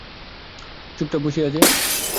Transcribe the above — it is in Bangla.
চুপচাপ বসিয়া যে?